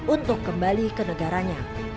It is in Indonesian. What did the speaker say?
untuk kembali ke negaranya